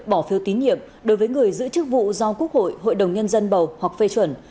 bỏ phiếu tín nhiệm đối với người giữ chức vụ do quốc hội hội đồng nhân dân bầu hoặc phê chuẩn